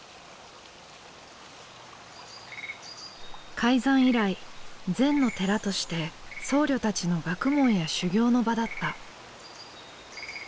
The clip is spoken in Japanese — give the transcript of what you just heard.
開山以来禅の寺として僧侶たちの学問や修行の場だった。